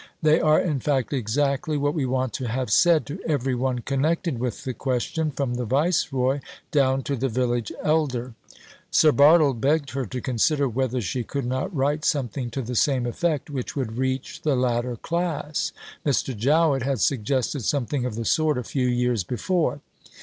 They are in fact exactly what we want to have said to every one connected with the question from the Viceroy down to the Village Elder." Sir Bartle begged her to consider whether she could not write something to the same effect which would reach the latter class. Mr. Jowett had suggested something of the sort a few years before.